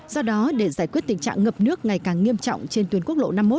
do đó để giải quyết tình trạng ngập nước ngày càng nghiêm trọng trên tuyến quốc lộ năm mươi một